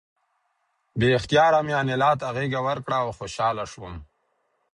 بې اختیاره مې انیلا ته غېږ ورکړه او خوشحاله شوم